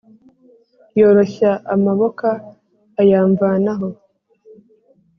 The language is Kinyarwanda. Yoroshya amaboka ayamvanaho,